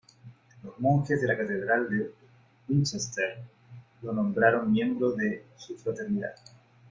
Los monjes de la Catedral de Winchester lo nombraron miembro de su fraternidad.